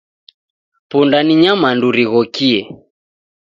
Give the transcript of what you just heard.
Punda ni nyamandu righokie.